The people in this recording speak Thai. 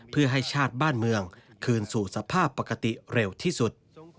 เพื่อให้ชาติบ้านเมืองคืนสู่สภาพปกติเร็วที่สุด